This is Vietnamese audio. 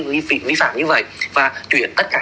vi phạm như vậy và chuyển tất cả